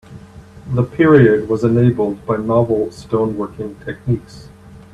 The period was enabled by novel stone working techniques.